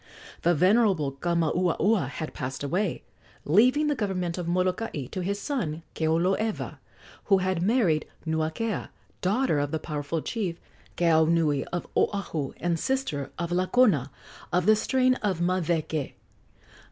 The venerable Kamauaua had passed away, leaving the government of Molokai to his son, Keoloewa, who had married Nuakea, daughter of the powerful chief, Keaunui, of Oahu, and sister of Lakona, of the strain of Maweke.